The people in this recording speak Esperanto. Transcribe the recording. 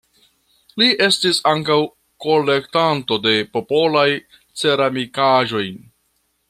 Li estis ankaŭ kolektanto de popolaj ceramikaĵoj.